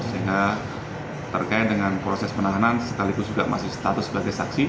sehingga terkait dengan proses penahanan sekaligus juga masih status sebagai saksi